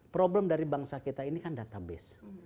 problem dari bangsa kita ini kan database